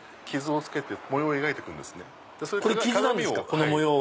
この模様は。